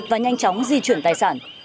và nhanh chóng di chuyển tài sản